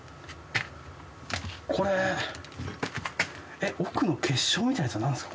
えっ奥の結晶みたいなやつはなんですか？